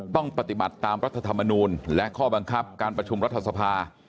ต้องปฏิบัติตามรัฐธรรมนูลและข้อบังคับการประชุมรัฐสภา